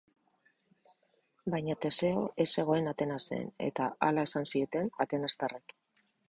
Baina Teseo ez zegoen Atenasen, eta hala esan zieten atenastarrek.